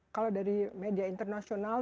kalau dari media internasional